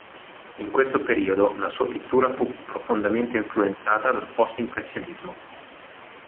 In questo periodo la sua pittura fu profondamente influenzata dal post-impressionismo.